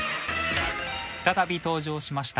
再び登場しました